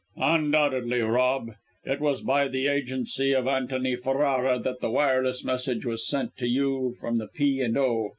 "Undoubtedly, Rob! it was by the agency of Antony Ferrara that the wireless message was sent to you from the P. and O.